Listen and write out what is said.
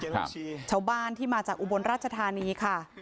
ชาวบ้านที่มาจากอุบลราชธานีค่ะ